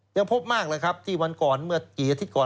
ยังพบมากเลยครับที่วันก่อนเมื่อกี่อาทิตย์ก่อน